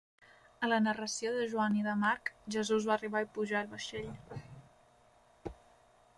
A la narració de Joan i de Marc Jesús va arribar i pujar al vaixell.